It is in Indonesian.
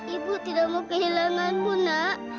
ibu tidak mau kehilanganmu nak